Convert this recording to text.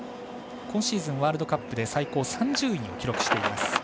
今シーズン、ワールドカップで最高３０位を記録しています。